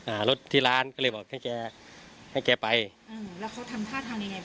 อ่ารถที่ร้านก็เลยบอกให้แกให้แกไปอ่าแล้วเขาทำท่าทางยังไงบ้าง